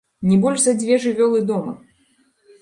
Не больш за дзве жывёлы дома!